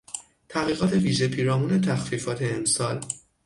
تحقیقات ویژه پیرامون تخفیفات امسال